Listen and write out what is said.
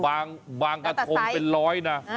บางกระทงเป็นร้อยนะ